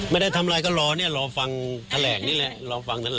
ไม่ได้ทำอะไรก็รอเนี่ยรอฟังแถลงนี่แหละ